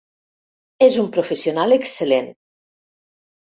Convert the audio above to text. És un professional excel·lent.